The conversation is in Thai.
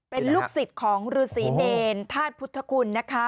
เป็นลูกศิษย์ของฤษีเนรธาตุพุทธคุณนะคะ